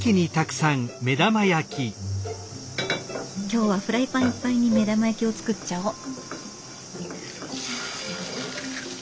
今日はフライパンいっぱいに目玉焼きを作っちゃおう。